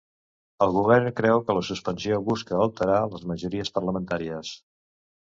El govern creu que la suspensió busca ‘alterar les majories parlamentàries’